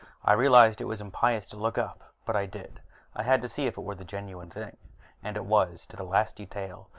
I realize it was impious to look up, but I did I had to see if it were the genuine thing. And it was, to the last detail.